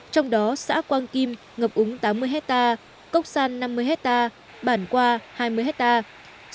trong đó xã quang kim ngập úng tám mươi hectare cốc san năm mươi hectare bản qua hai mươi hectare